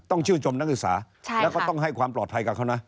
ต้องชื่นชมนักศึกษาแล้วก็ต้องให้ความปลอดภัยกับเขานะ